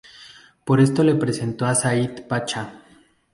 Por esto le presentó a Saïd Pacha.